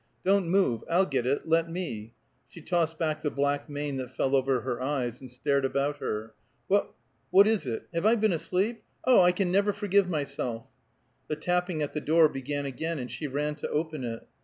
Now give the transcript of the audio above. "Don't move I'll get it let me " She tossed back the black mane that fell over her eyes and stared about her. "What what is it? Have I been asleep? Oh, I never can forgive myself!" The tapping at the door began again, and she ran to open it.